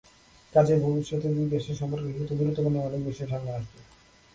কাজেই ভবিষ্যতে দুই দেশের সম্পর্কের ক্ষেত্রে গুরুত্বপূর্ণ অনেক বিষয় সামনে আসবে।